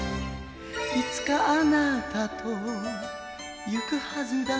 「いつかあなたと行くはずだった」